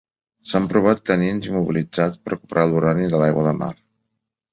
S'han provat tanins immobilitzats per recuperar l'urani de l'aigua de mar.